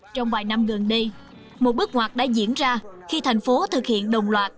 trong vài năm gần đây một bức hoạt đã diễn ra khi thành phố thực hiện đồng loạt